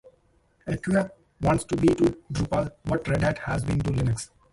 Acquia wants to be to Drupal what Red Hat has been to Linux.